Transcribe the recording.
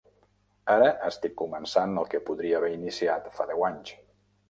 Ara estic començant el que podria haver iniciat fa deu anys.